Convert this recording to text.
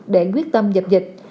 để quyết tâm dập dịch